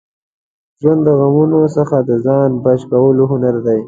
ژوند د غمونو څخه د ځان بچ کولو هنر دی.